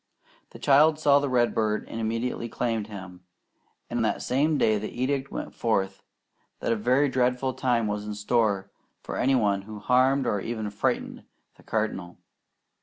The child saw the redbird and immediately claimed him, and that same day the edict went forth that a very dreadful time was in store for any one who harmed or even frightened the Cardinal.